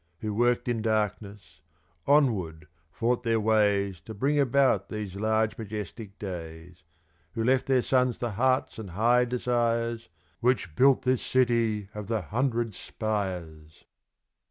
Who worked in darkness onward fought their ways To bring about these large majestic days Who left their sons the hearts and high desires Which built this city of the hundred spires!